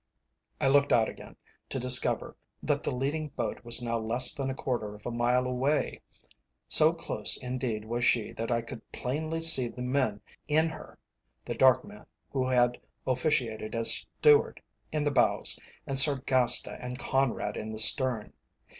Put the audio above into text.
I looked out again, to discover that the leading boat was now less than a quarter of a mile away; so close indeed was she that I could plainly see the men in her the dark man, who had officiated as steward, in the bows, and Sargasta and Conrad in the stern.